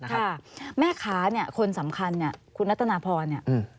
ค่ะแม่ค้าเนี่ยคนสำคัญเนี่ยคุณรัตนาพรเนี่ย